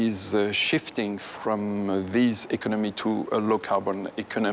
การสร้างขนาดนี้จากโลกการ์บอนตามนี้